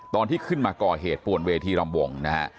ตอนที่ขึ้นมาก่อเหตุป่วนเวทีรำวงนะฮะ